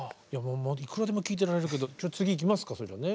いくらでも聞いてられるけどじゃ次行きますかそれじゃね。